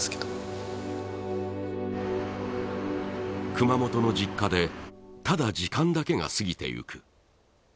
熊本の実家で、ただ時間だけがすぎていく。